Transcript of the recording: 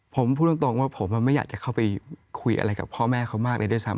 ผมพูดตรงว่าผมไม่อยากจะเข้าไปคุยอะไรกับพ่อแม่เขามากเลยด้วยซ้ำ